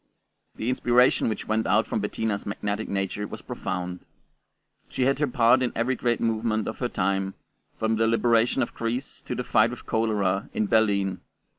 The inspiration which went out from Bettina's magnetic nature was profound. She had her part in every great movement of her time, from the liberation of Greece to the fight with cholera in Berlin.